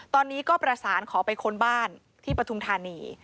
ตอนนี้ก็ประสานขอไปค้นบ้านที่ปฐุมธานี